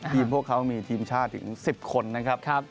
พวกเขามีทีมชาติถึง๑๐คนนะครับ